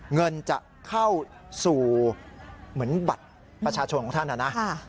เงินจะเข้าสู่เหมือนบัตรประชาชนของท่านนะนะ